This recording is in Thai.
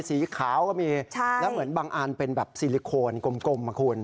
สีขาวก็มีแล้วเหมือนบางอันเป็นแบบซิลิโคนกลมอ่ะคุณ